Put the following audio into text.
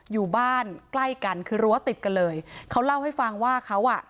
อยู่บ้านใกล้กันคือรั้วติดกันเลยเขาเล่าให้ฟังว่าเขาอ่ะ